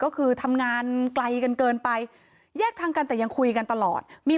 ก็คือทำงานไกลกันเกินไปแยกทางกันแต่ยังคุยกันตลอดมี